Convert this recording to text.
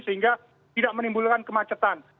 sehingga tidak menimbulkan kemacetan